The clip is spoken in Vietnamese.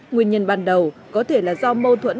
nguyên nhân ban đầu có thể là do mâu thuẫn